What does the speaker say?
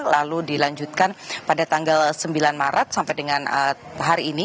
lalu dilanjutkan pada tanggal sembilan maret sampai dengan hari ini